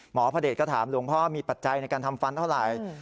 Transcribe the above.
พระเดชก็ถามหลวงพ่อมีปัจจัยในการทำฟันเท่าไหร่